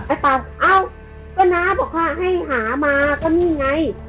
ไปเป่าเอ้าก็น้าบอกว่าให้หามาก็นี่ไง